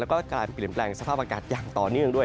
แล้วก็การเปลี่ยนแปลงสภาพอากาศอย่างต่อเนื่องด้วย